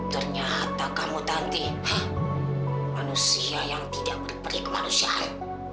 ternyata kamu tanti manusia yang tidak berperih kemanusiaan